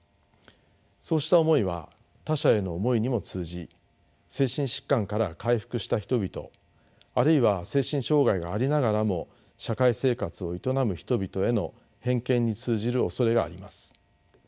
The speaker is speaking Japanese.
そうした思いは他者への思いにも通じ精神疾患から回復した人々あるいは精神障害がありながらも社会生活を営む人々への偏見に通じるおそれがあります。